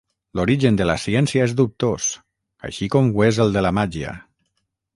L'origen de la ciència és dubtós, així com ho és el de la màgia.